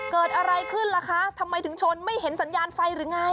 เกิดอะไรขึ้นล่ะคะทำไมถึงชนไม่เห็นสัญญาณไฟหรือไง